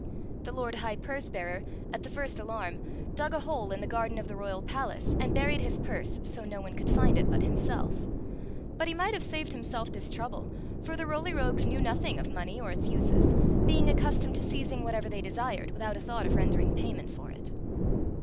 The lord high purse bearer, at the first alarm, dug a hole in the garden of the royal palace and buried his purse so no one could find it but himself But he might have saved himself this trouble, for the Roly Rogues knew nothing of money or its uses, being accustomed to seizing whatever they desired without a thought of rendering payment for it.